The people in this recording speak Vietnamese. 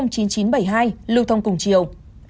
tám mươi sáu c chín nghìn chín trăm bảy mươi hai lưu thông cùng chiều